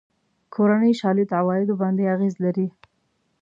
کورنۍ شالید عوایدو باندې اغېز لري.